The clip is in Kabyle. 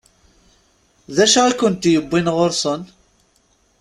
D acu i kent-yewwin ɣur-sen?